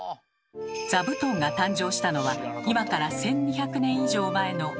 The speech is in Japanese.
座布団が誕生したのは今から１，２００年以上前の平安時代。